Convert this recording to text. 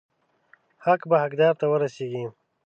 حق به حقدار ته ورسیږي.